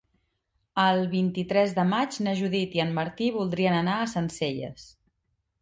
El vint-i-tres de maig na Judit i en Martí voldrien anar a Sencelles.